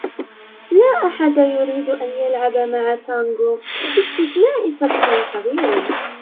لا أحد يريد أن يلعب مع تانغو باستثناء صبي صغير.